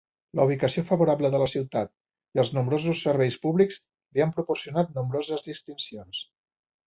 La ubicació favorable de la ciutat i els nombrosos serveis públics li han proporcionat nombroses distincions.